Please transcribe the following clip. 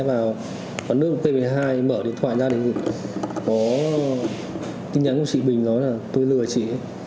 vào phần nước k một mươi hai mở điện thoại gia đình có tin nhắn của chị bình nói là tôi lừa chị